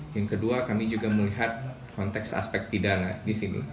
yang kedua kami juga melihat konteks aspek pidana disini